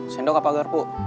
sendok apa garpu